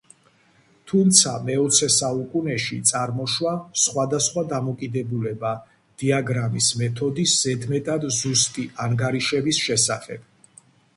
თუმცა, მეოცე საუკუნეში წარმოშვა სხვადასხვა დამოკიდებულება დიაგრამის მეთოდის ზედმეტად ზუსტი ანგარიშების შესახებ.